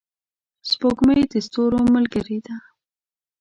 سپوږمۍ د ستورو ملګرې ده.